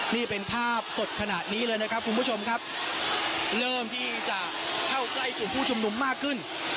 นี่เป็นภาพสดขนาดนี้เลยนะครับคุณผู้ชมครับเริ่มที่จะเข้าใกล้กลุ่มผู้ชุมนุมมากขึ้น